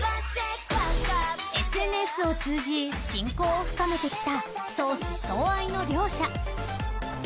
ＳＮＳを通じ親交を深めてきた相思相愛の両者。